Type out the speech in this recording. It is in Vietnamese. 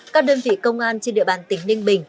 các đơn vị công an trên địa bàn tỉnh ninh bình